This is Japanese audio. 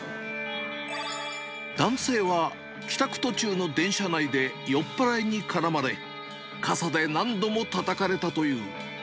男性は、帰宅途中の電車内で酔っ払いに絡まれ、傘で何度もたたかれたという。